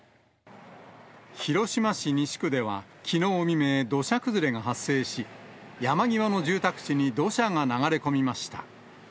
広島市西区では、きのう未明、土砂崩れが発生し、山際の住宅地に土砂が流れ込みました。